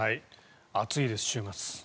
暑いです、週末。